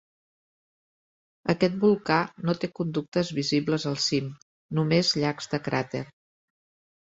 Aquest volcà no té conductes visibles al cim, només llacs de cràter.